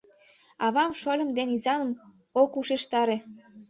Авам шольым ден изамым ок ушештаре.